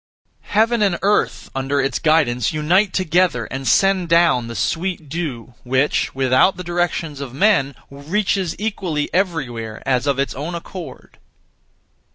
Heaven and Earth (under its guidance) unite together and send down the sweet dew, which, without the directions of men, reaches equally everywhere as of its own accord.